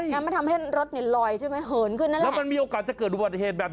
แล้วมันทำให้รถลอยเหินขึ้นนั่นแหละ